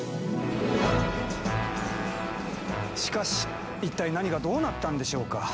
しかし一体何がどうなったんでしょうか？